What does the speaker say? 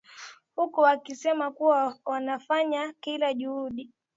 huku wakisema kuwa wanafanya kila juhudi